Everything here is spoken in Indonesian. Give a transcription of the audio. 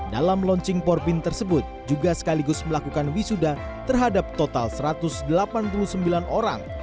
dalam launching porbin tersebut juga sekaligus melakukan wisuda terhadap total satu ratus delapan puluh sembilan orang